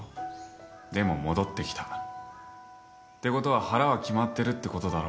でも戻って来た。ってことは腹は決まってるってことだろ？